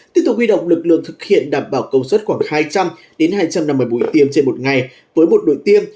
tiếp tục quy động lực lượng thực hiện đảm bảo công suất khoảng hai trăm linh hai trăm năm mươi mũi tiêm trên một ngày với một đôi tiêm